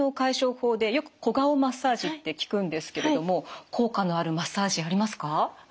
法でよく小顔マッサージって聞くんですけれども効果のあるマッサージありますか？